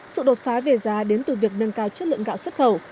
sự đột phá về giá đến từ việc nâng cao chất lượng gạo xuất khẩu